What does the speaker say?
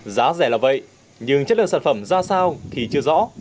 giá rẻ là vậy nhưng chất lượng sản phẩm ra sao thì chưa rõ